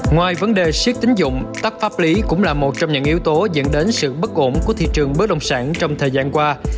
ngoài vấn đề siết tính dụng tắc pháp lý cũng là một trong những yếu tố dẫn đến sự bất ổn của thị trường bất động sản trong thời gian qua